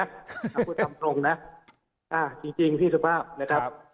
ก็ขอคุณทำพรุงนะจริงที่สุภาพนะครับ